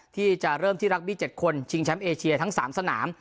ที่จะเริ่มที่รักบี้๗คนชิงแชมป์เอเชียทั้ง๓สนาม